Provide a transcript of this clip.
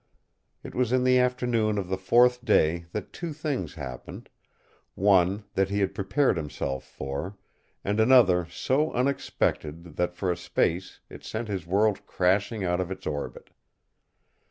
It was in the afternoon of the fourth day that two things happened one that he had prepared himself for, and another so unexpected that for a space it sent his world crashing out of its orbit.